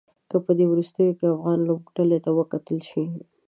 که په دې وروستيو کې افغان لوبډلې ته وکتل شي.